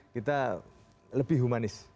kita lebih humanis